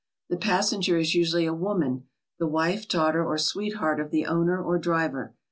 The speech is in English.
The passenger is usually a woman, the wife, daughter, or sweetheart of the owner or driver.